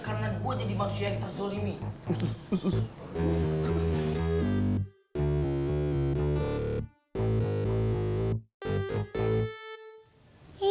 karena gua jadi manusia yang terzolimi